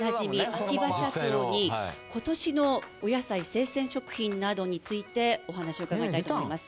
秋葉社長に今年のお野菜生鮮食品などについてお話を伺いたいと思います